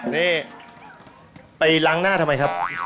นี่ไปล้างหน้าทำไมครับ